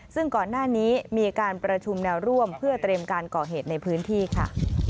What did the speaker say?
ซึ่งก่อนหน้านี้มีการประชุมแนวร่วมเพื่อเตรียมการก่อเหตุในพื้นที่ค่ะ